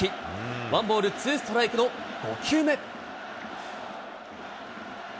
ワンボールツーストライクの５球目。